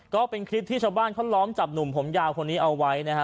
ก็เป็นคลิปที่ชาวบ้านเขาล้อมจับหนุ่มผมยาวคนนี้เอาไว้นะฮะ